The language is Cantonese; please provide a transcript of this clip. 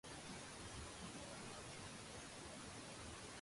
墙根个度有只大蠄蟝